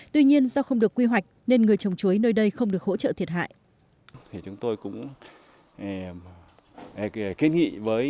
tuy nhiên do không được quy hoạch nên người trồng chuối nơi đây không được hỗ trợ thiệt hại